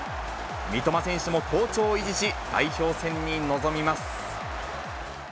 三笘選手も好調を維持し、代表戦に臨みます。